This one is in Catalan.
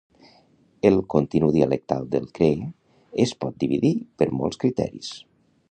El continu dialectal del cree es pot dividir per molts criteris.